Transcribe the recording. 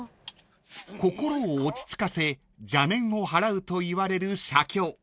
［心を落ち着かせ邪念を払うといわれる写経］